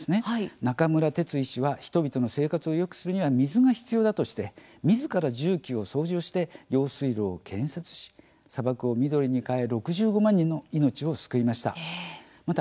中村哲医師は人々の生活をよくするには水が必要だとしてみずから重機を操縦して用水路を建設し、砂漠を緑に変え６５万人の命を救いました。